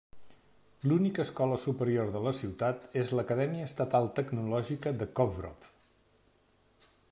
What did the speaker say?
L'única escola superior de la ciutat és l'Acadèmia Estatal Tecnològica de Kovrov.